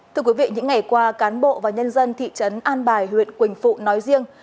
thưa quý vị những ngày qua cán bộ và nhân dân thị trấn an bài huyện quỳnh phụ nói riêng